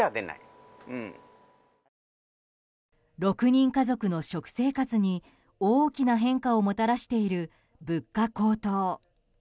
６人家族の食生活に大きな変化をもたらしている物価高騰。